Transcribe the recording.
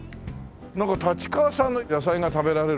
なんか立川産の野菜が食べられるっていうの？